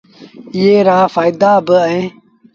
ايئي رآ ڦآئيدآ با اهيݩ